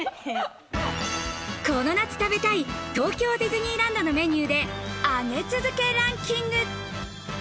この夏、食べたい東京ディズニーランドのメニューで上げ続けランキング。